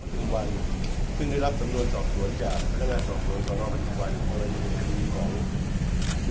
ทุกวันซึ่งได้รับสำนวนสอบสวนจากพนักงานสอบสวนสำนวนปัจจุบัน